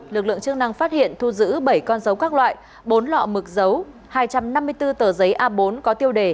lực lượng chức năng phát hiện thu giữ bảy con dấu các loại bốn lọ mực dấu hai trăm năm mươi bốn tờ giấy a bốn có tiêu đề